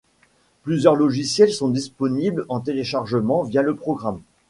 Plusieurs logiciels sont disponibles en téléchargement via le programme.